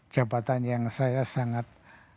jabatan yang saya sangat